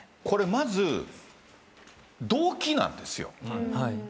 これまず動機なんですよ。